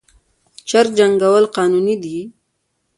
چرګ جنګول قانوني دي؟